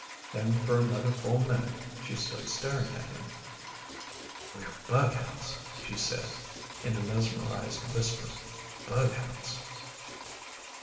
Then for another full minute she stood staring at him. " We're bughouse," she said in a mesmerised whisper. " Bughouse."